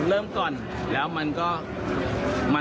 จึงไม่ได้เอดในแม่น้ำ